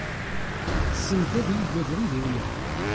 Send ad yeǧǧ abrid i wiyaḍ.